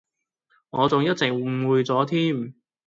我仲一直誤會咗添